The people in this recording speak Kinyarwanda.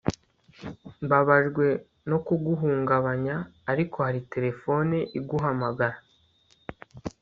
Mbabajwe no kuguhungabanya ariko hari terefone iguhamagara